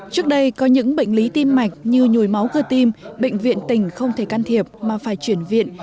trước đây có những bệnh lý tim mạch như nhồi máu cơ tim bệnh viện tỉnh không thể can thiệp mà phải chuyển viện